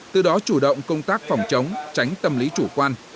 từ đó chủ động công tác phòng chống tránh tâm lý chủ quan